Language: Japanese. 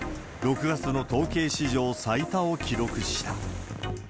６月の統計史上最多を記録した。